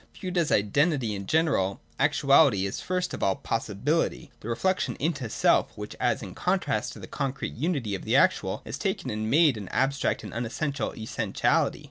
(a) Viewed as an identity in general, Actuality is first of all Possibility — the reflection into self which, as in contrast with the concrete unity of the actual, is taken and made an abstract and unessential essentiality.